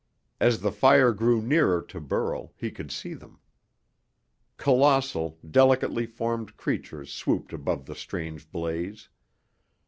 As the fire grew nearer to Burl, he could see them. Colossal, delicately formed creatures swooped above the strange blaze.